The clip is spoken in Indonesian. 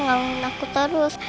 nginguin aku terus